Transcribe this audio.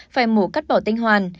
phải mổ cắt bỏ tinh hoàn